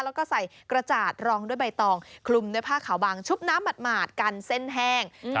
แล้วก็ใส่กระจาดรองด้วยใบตองคลุมด้วยผ้าขาวบางชุบน้ำหมาดกันเส้นแห้ง